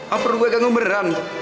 apa perlu gue ganggu beneran